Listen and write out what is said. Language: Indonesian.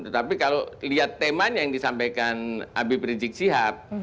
tetapi kalau lihat temannya yang disampaikan abie prinsik sihab